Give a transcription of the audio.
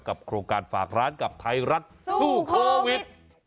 โครงการฝากร้านกับไทยรัฐสู้โควิด